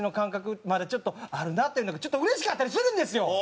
まだちょっとあるなっていうのがちょっとうれしかったりするんですよ！